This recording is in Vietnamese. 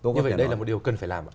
như vậy đây là một điều cần phải làm ạ